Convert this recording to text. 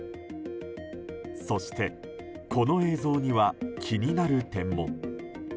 そしてこの映像には気になる点も。